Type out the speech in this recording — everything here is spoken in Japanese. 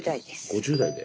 ５０代です。